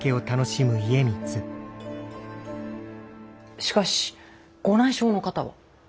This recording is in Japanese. しかしご内証の方は？